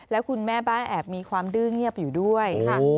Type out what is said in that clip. แล้วคุณแม่บ้านแอบมีความดื้อเงียบอยู่ด้วยค่ะ